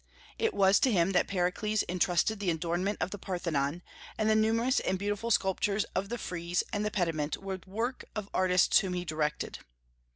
It was to him that Pericles intrusted the adornment of the Parthenon, and the numerous and beautiful sculptures of the frieze and the pediment were the work of artists whom he directed.